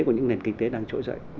của những nền kinh tế đang trỗi dậy